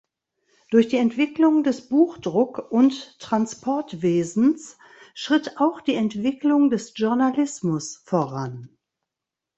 Durch die Entwicklung des Buchdruck und Transportwesens schritt auch die Entwicklung des Journalismus voran.